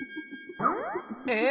え？